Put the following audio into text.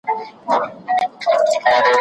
نړيوالي اړیکي غوره هیله ده.